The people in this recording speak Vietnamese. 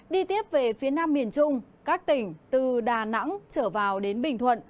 đi tiếp về phía nam miền trung các tỉnh từ đà nẵng trở vào đến bình thuận